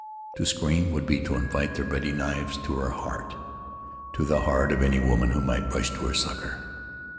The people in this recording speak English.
To scream would be to invite their ready knives to her heart to the heart of any woman who might rush to her succor.